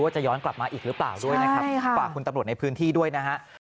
จะย้อนกลับมาอีกหรือเปล่าด้วยนะครับฝากคุณตำรวจในพื้นที่ด้วยนะฮะ